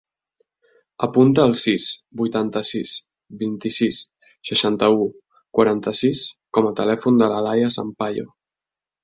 Apunta el sis, vuitanta-sis, vint-i-sis, seixanta-u, quaranta-sis com a telèfon de l'Alaia Sampayo.